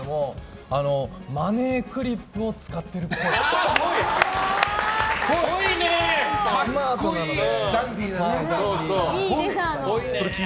マネークリップを使ってるっぽい。